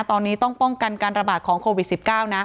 ตอนนี้ต้องป้องกันการระบาดของโควิด๑๙นะ